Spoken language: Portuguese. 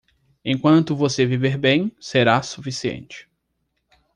Enquanto você viver bem, será suficiente.